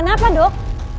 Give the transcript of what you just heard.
ada apa sih dok